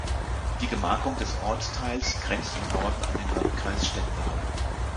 Die Gemarkung des Ortsteils grenzt im Norden an den Landkreis Stendal.